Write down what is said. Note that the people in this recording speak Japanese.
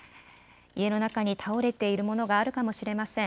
家の中に倒れているものがあるかもしれません。